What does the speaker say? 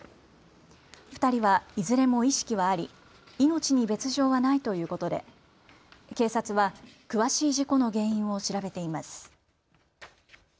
２人は、いずれも意識はあり、命に別状はないということで警察は詳しい事故の原因を調べています。